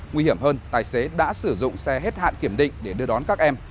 nguy hiểm hơn tài xế đã sử dụng xe hết hạn kiểm định để đưa đón các em